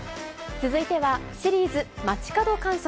続いてはシリーズ、街角観測。